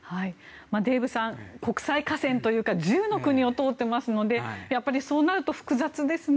デーブさん国際河川というか１０の国を通ってますのでそうなると複雑ですね。